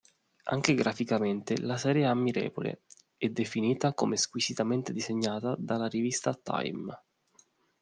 Anche graficamente la serie è ammirevole ed definita come "squisitamente disegnata" dalla rivista "Time".